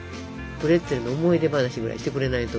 プレッツェルの思い出話ぐらいしてくれないと。